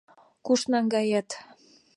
Куш наҥгает?